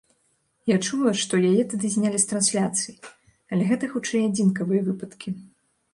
Я чула, што яе тады знялі з трансляцыі, але гэта, хутчэй, адзінкавыя выпадкі.